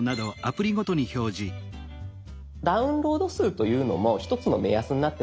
「ダウンロード数」というのも一つの目安になってまいります。